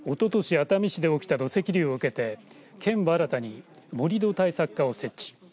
熱海市で起きた土石流を受けて県は新たに盛土対策課を設置。